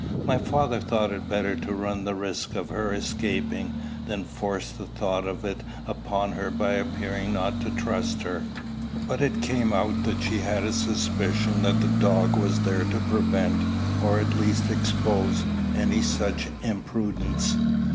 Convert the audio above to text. My father thought it better to run the risk of her escaping, than force the thought of it upon her by appearing not to trust her. But it came out that she had a suspicion that the dog was there to prevent, or at least expose, any such imprudence.